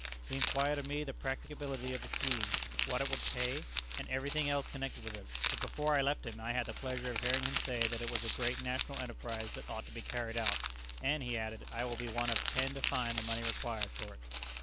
He inquired of me the practicability of the scheme what it would pay, and every thing else connected with it; but before I left him, I had the pleasure of hearing him say that it was a great national enterprise that ought to be carried out, and, he added, I will be one of ten to find the money required for it.